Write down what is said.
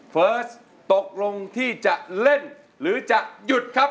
เฟิร์สตกลงที่จะเล่นหรือจะหยุดครับ